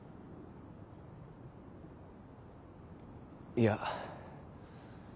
いや。